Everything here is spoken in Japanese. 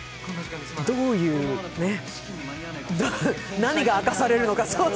どういう、何が明かされるのか。